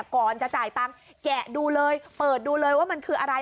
ก่อนจะจ่ายตังค์แกะดูเลยเปิดดูเลยว่ามันคืออะไร